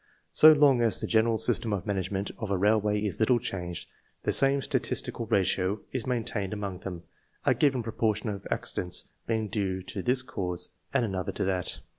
So long as the general system of management of a railway is little changed, the same statistical ratio is maintained among them, a given proportion of accidents being due to this cause, and another to that.